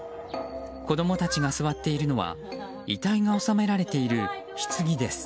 子供たちが座っているのは遺体が納められている棺です。